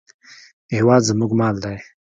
هېواد زموږ مال دی